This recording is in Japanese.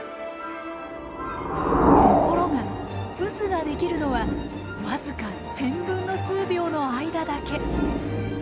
ところが渦が出来るのは僅か１０００分の数秒の間だけ。